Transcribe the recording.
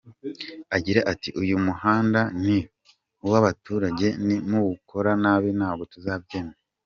Agira ati “Uyu muhanda ni uw’abaturage, nimuwukora nabi ntabwo tuzabyemera.